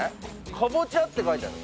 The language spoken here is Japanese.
カボチャって書いてある。